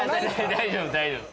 大丈夫大丈夫。